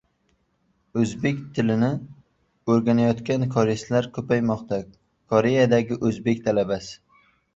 «O‘zbek tilini o‘rganayotgan koreyslar ko‘paymoqda» — Koreyadagi o‘zbek talabasi